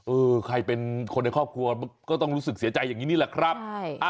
เออใครเป็นคนในครอบครัวก็ต้องรู้สึกเสียใจอย่างนี้นี่แหละครับ